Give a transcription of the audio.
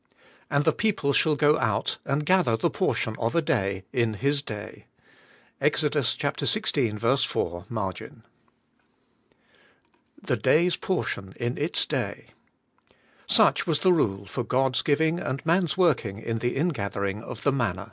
'And the people shall go out and gather the portion of a day in his day.' — Ex. xvi. 4 (marg.). ^Y^HE day^s portion in its day : Such was the rule for God's giving and man's working in the ingathering of the manna.